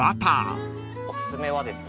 おすすめはですね